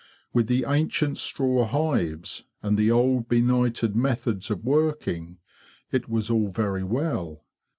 With the ancient straw hives and the old benighted methods of working, it was all very well.